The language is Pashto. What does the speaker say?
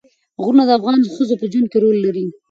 غرونه د افغان ښځو په ژوند کې رول لري.